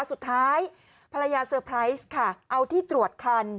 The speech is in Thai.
สุดท้ายภรรยาเซอร์ไพรส์ค่ะเอาที่ตรวจคัน